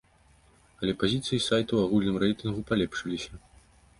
Але пазіцыі сайтаў у агульным рэйтынгу палепшыліся.